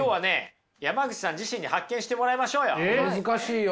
難しいよ。